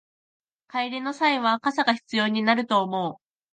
帰りの際は傘が必要になると思う